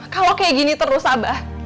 kalau kayak gini terus abah